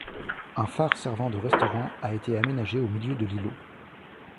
Un fare servant de restaurant a été aménagé au milieu de l'îlot.